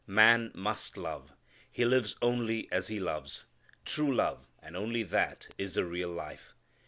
Man must love. He lives only as he loves. True love, and only that, is the real life.